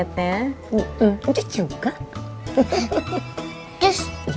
ada banyak yang mau diberikan ke saya